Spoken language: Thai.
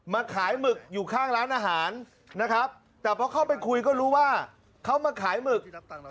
มาขายหมึกอยู่ข้างร้านอาหารนะครับแต่พอเข้าไปคุยก็รู้ว่าเขามาขายหมึก